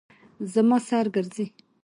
زما سر ګرځي